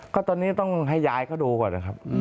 ก็ตอนนี้ต้องให้ยายเขาดูก่อนนะครับ